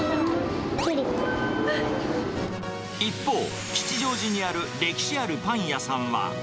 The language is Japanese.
一方、吉祥寺にある歴史あるパン屋さんは。